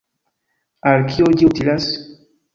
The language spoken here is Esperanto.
“Al kio ĝi utilas?